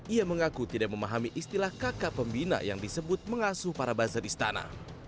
ia mengaku tidak memahami istilah kakak pembina yang disebut mengasuh para buzzer istana